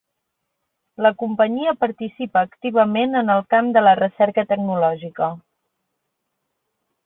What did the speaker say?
La companyia participa activament en el camp de la recerca tecnològica.